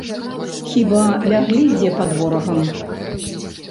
Хіба ляглі дзе пад ворагам?